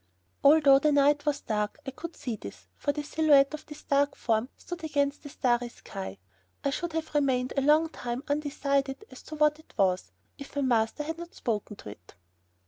Although the night was dark, I could see this, for the silhouette of this dark form stood out against the starry sky. I should have remained a long time undecided as to what it was, if my master had not spoken to it.